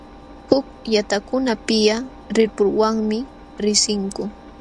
Huk llaqtakunapiqa rirpuwanmi riqsinku.